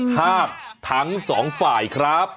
ภาพทั้งสองฝ่ายครับ